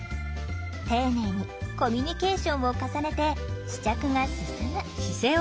丁寧にコミュニケーションを重ねて試着が進む。